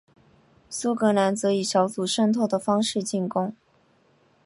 苏格兰则以小组渗透的方式进攻。